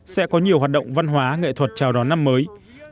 sẽ có nhiều hoạt động văn hóa nghệ thuật chào đón năm mới